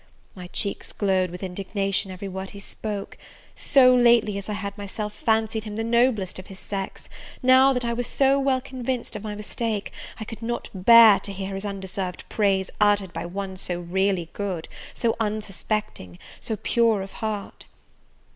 My cheeks glowed with indignation every word he spoke; so lately as I had myself fancied him the noblest of his sex, now that I was so well convinced of my mistake, I could not bear to hear his undeserved praises uttered by one so really good, so unsuspecting, so pure of heart.